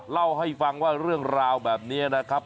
เล่าให้ฟังว่าเรื่องราวแบบนี้นะครับ